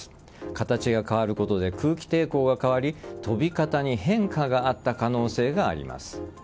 形が変わることで空気抵抗が変わり飛び方に変化があった可能性があります。